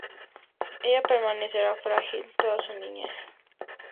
Ella permanecerá frágil toda su niñez.